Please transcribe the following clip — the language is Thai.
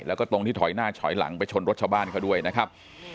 แล้วก็ตรงที่ถอยหน้าถอยหลังไปชนรถชาวบ้านเขาด้วยนะครับ